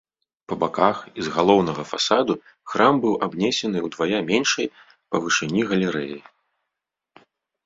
Па баках і з галоўнага фасаду храм быў абнесены ўдвая меншай па вышыні галерэяй.